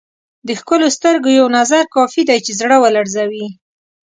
د ښکلو سترګو یو نظر کافي دی چې زړه ولړزوي.